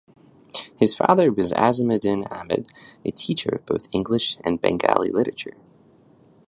His father was Azimuddin Ahmed, a teacher of both English and Bengali literature.